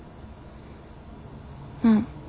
うん。